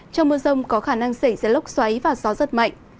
trong mưa rông có khả năng xảy ra lốc xoáy và gió rất mạnh